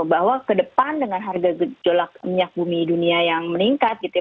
bahwa ke depan dengan harga gejolak minyak bumi dunia yang meningkat gitu ya